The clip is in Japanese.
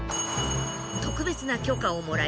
特別な許可をもらい